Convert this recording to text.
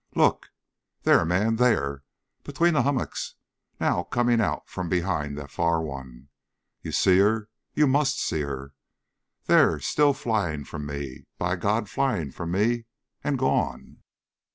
"Look! There, man, there! Between the hummocks! Now coming out from behind the far one! You see her you MUST see her! There still! Flying from me, by God, flying from me and gone!"